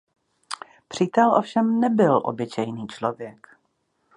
Přítel ovšem nebyl obyčejný člověk.